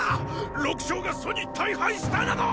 六将が楚に大敗したなど！